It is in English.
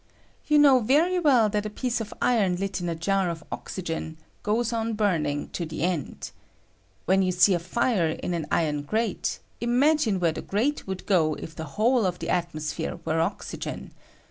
You know very well that a piece of iron lit in a jar of ox ygen goes on burning to the end. When you see a firo in an iron grate, ima^ne where the grate would go to if the whole of the atmos phere were oxygen.